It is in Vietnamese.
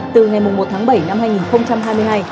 từ ngày một tháng bảy năm hai nghìn hai mươi hai